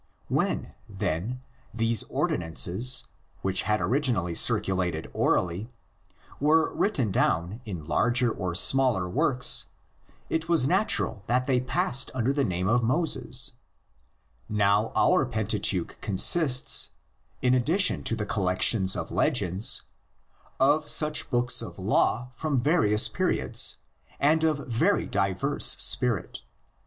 When, then, these ordi nances, which had originally circulated orally, were written down in larger or smaller works, it was natural that they passed under the name of Moses Now our Pentateuch consists, in addition to the col lections of legends, of such books of law from various periods and of very diverse spirit.